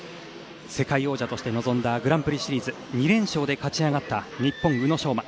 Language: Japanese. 世界王者として臨んだグランプリシリーズ２連勝で勝ち上がった日本、宇野昌磨。